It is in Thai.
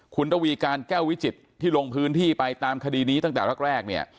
คุณระวีการแก้ววิจิตรที่ลงพื้นที่ไปตามคดีนี้ตั้งแต่แรกเนี่ย